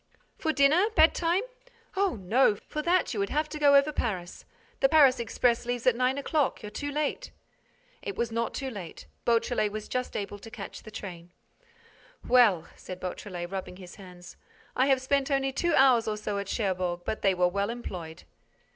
"For dinner? Bedtime—?" "Oh, no! For that, you would have to go over Paris. The Paris express leaves at nine o'clock. You're too late—" It was not too late. Beautrelet was just able to catch the train. "Well," said Beautrelet, rubbing his hands, "I have spent only two hours or so at Cherbourg, but they were well employed."